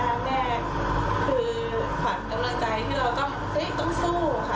จากพระเจ้าอย่างหัวสมเด็จพระเจ้าอย่างหัวนะคะ